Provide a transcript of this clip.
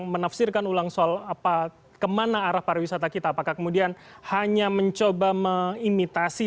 terima kasih kalau ada kesempatan untuk saudara kata kalimantan sudah berikut ini